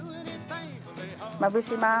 まぶします。